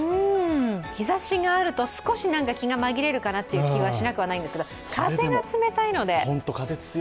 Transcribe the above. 日ざしがあると少し気が紛れるかなという気がしなくもないんですけど風が冷たいので。